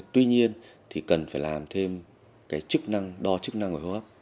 tuy nhiên thì cần phải làm thêm cái chức năng đo chức năng ở hô hấp